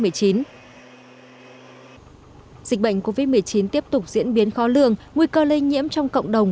dịch bệnh covid một mươi chín tiếp tục diễn biến khó lường nguy cơ lây nhiễm trong cộng đồng